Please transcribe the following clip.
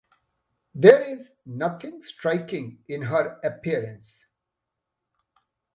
There is nothing striking in her appearance.